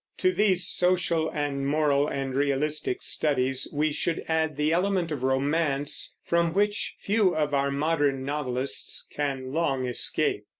To these social and moral and realistic studies we should add the element of romance, from which few of our modern novelist's can long escape.